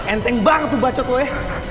enteng banget tuh bacot lo ya